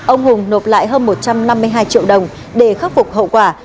ông hùng nộp lại hơn một trăm năm mươi hai triệu đồng để khắc phục hậu quả